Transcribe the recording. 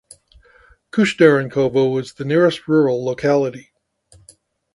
Kushnarenkovo is the nearest rural locality.